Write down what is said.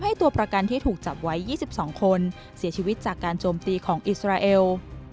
ตัวประกันที่ถูกจับไว้๒๒คนเสียชีวิตจากการโจมตีของอิสราเอล